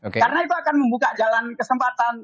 karena itu akan membuka jalan kesempatan